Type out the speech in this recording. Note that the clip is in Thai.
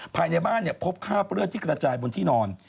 ภายในบ้านเนี่ยพบข้าวเปลือที่กระจายบนที่นอน